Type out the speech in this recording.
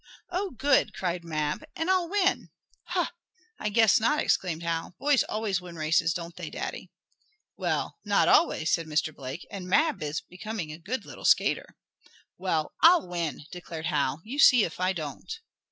"Oh, good!" cried Mab. "And I'll win!" "Huh! I guess not!" exclaimed Hal. "Boys always win races; don't they, Daddy." "Well, not always," said Mr. Blake. "And Mab is becoming a good little skater." "Well, I'll win!" declared Hal. "You see if I don't!"